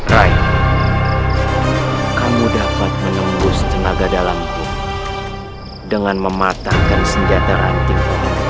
rai kamu dapat menembus tenaga dalamku dengan mematahkan senjata ranting